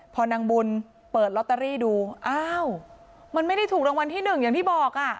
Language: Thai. พอนางบุญเปิดลอตเตอรี่ดูอ้าวมันไม่ได้ถูกรางวัลที่หนึ่งอย่างที่บอกอ่ะ